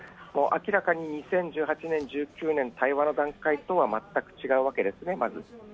明らかに２０１８年、２０１９年と対話の段階とは、全く違うわけですね。